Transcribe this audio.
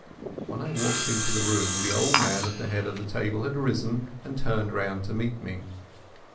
When I walked into the room the old man at the head of the table had risen and turned round to meet me.